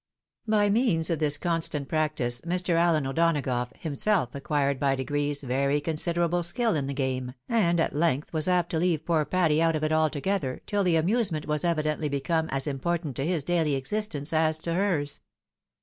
By means of this constant practice, Mr. Allen O'Donagough himself acquired by degrees very considerable skill in the game, and at length was apt to leave poor Patty out of it altogether, till the amusement was evidently become as important to his daily existence as to hers.